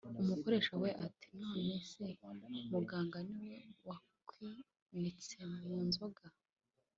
” umukoresha we ati : “nonese muganga ni we wakwinitsemu nzoga?”.